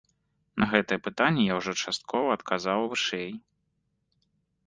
На гэтае пытанне я ўжо часткова адказаў вышэй.